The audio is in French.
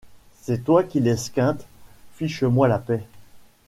C’est toi qui l’esquintes, fiche-moi la paix !